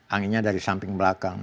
anginnya dari samping belakang